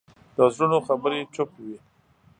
د زړونو خبرې چوپ وي